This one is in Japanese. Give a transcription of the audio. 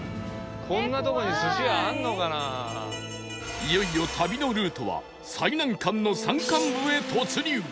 いよいよ旅のルートは最難関の山間部へ突入